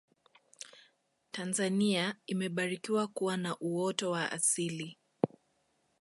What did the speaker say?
tanzania imebarikiwa kuwa na uoto wa asili